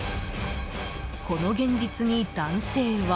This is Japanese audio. この現実に、男性は。